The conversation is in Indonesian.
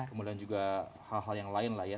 kemudian juga hal hal yang lain lah ya